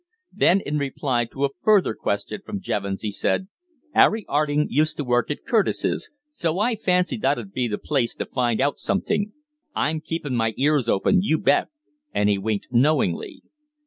Then, in reply to a further question from Jevons, he said: "'Arry 'Arding used to work at Curtis's. So I fancy that 'ud be the place to find out somethink. I'm keepin' my ears open, you bet," and he winked knowingly.